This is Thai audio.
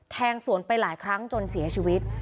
แทงสวนไปหลายครั้งจนเสียชีวิต